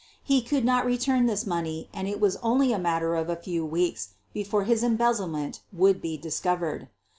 He could not return this money and it was only a matter of a few weeks before his embezzlement would be discovered.